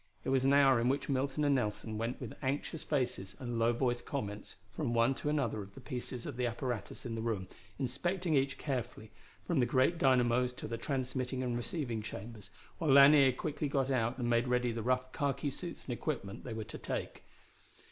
It was an hour in which Milton and Nelson went with anxious faces and low voiced comments from one to another of the pieces of apparatus in the room, inspecting each carefully, from the great dynamos to the transmitting and receiving chambers, while Lanier quickly got out and made ready the rough khaki suits and equipment they were to take.